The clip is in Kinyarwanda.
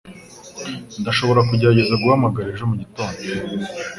Ndashobora kugerageza guhamagara ejo mugitondo.